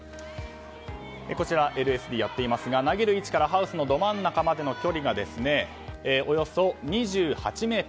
ＬＳＤやっていますが投げる位置からハウスのど真ん中までの距離がおよそ２８ｍ。